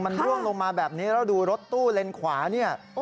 มันร่วงลงมาแบบนี้แล้วดูรถตู้เลนขวาเนี่ย